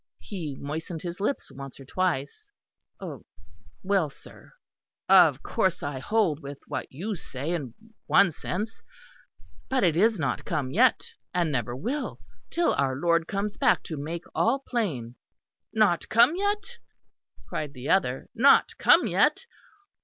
He moistened his lips once or twice. "Well, sir; of course I hold with what you say, in one sense; but it is not come yet; and never will, till our Lord comes back to make all plain." "Not come yet?" cried the other, "Not come yet!